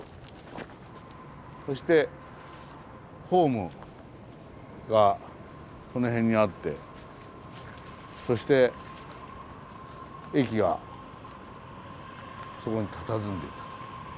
そしてホームがこの辺にあってそして駅がそこにたたずんでいたと。